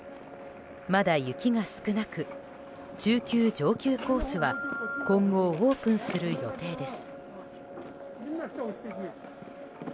まだ雪が少なく中級・上級コースは今後、オープンする予定です。